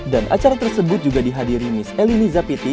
dan acara tersebut juga dihadiri miss eliniza pitti